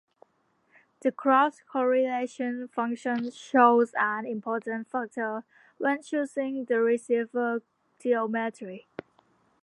The cross correlation function shows an important factor when choosing the receiver geometry.